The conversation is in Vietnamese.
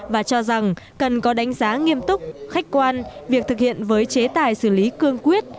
và cho rằng cần có đánh giá nghiêm túc khách quan việc thực hiện với chế tài xử lý cương quyết